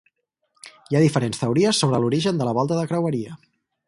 Hi ha diferents teories sobre l'origen de la volta de creueria.